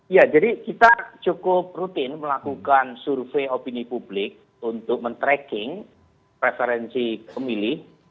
ya jadi kita cukup rutin melakukan survei opini publik untuk men tracking preferensi pemilih